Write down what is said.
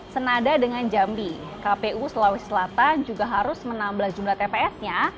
senada dengan jambi kpu sulawesi selatan juga harus menambah jumlah tps nya